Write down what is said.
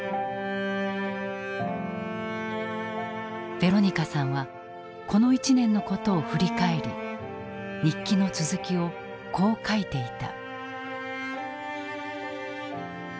ヴェロニカさんはこの１年のことを振り返り日記の続きをこう書いていた。